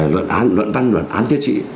luận đăng luận án thiết trị